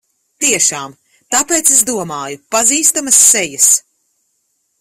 Tiešām! Tāpēc es domāju pazīstamas sejas.